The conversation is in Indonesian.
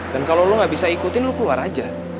dan kalau lu nggak bisa ikutin lu keluar aja